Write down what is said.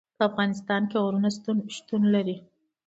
په افغانستان کې غرونه شتون لري.